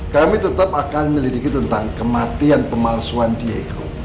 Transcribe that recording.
kami tetap akan melidiki tentang kematian pemalsuan diego